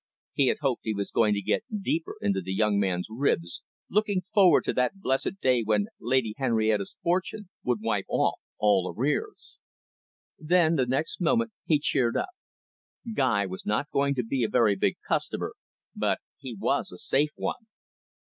He had hoped he was going to get deeper into the young man's ribs, looking forward to that blessed day when Lady Henrietta's fortune would wipe off all arrears. Then, the next moment, he cheered up. Guy was not going to be a very big customer, but he was a safe one.